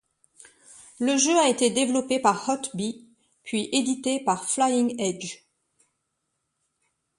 Le jeu a été développé par Hot-B puis édité par Flying Edge.